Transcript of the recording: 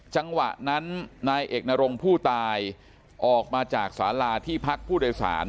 จังหวะนั้นนายเอกนรงผู้ตายออกมาจากสาราที่พักผู้โดยสาร